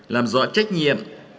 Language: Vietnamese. làm rõ trách nhiệm